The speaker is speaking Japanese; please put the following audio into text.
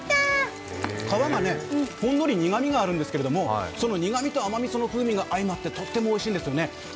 皮がほんのり苦味があるんですけどその苦みと甘み、風味が相まってとってもおいしいですね。